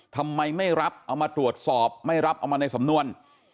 ทำไมไม่รับเอามาตรวจสอบไม่รับเอามาในสำนวน